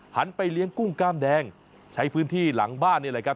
ไปเลี้ยงกุ้งกล้ามแดงใช้พื้นที่หลังบ้านนี่แหละครับ